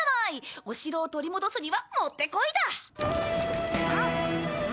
お城を取り戻すにはもってこいだ。